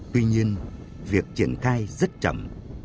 tuy nhiên việc triển khai rất chậm